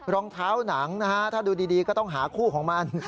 รองเท้าหนังนะฮะถ้าดูดีก็ต้องหาคู่ของมัน